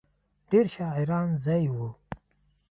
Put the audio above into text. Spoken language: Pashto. ډېر شاعرانه ځای و.